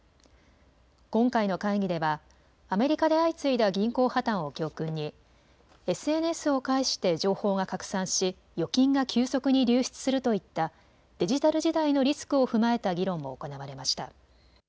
今回の会議ではアメリカで相次いだ銀行破綻を教訓にＳＮＳを介して情報が拡散し預金が急速に流出するといったデジタル時代のリスクを踏まえた議論も行われました。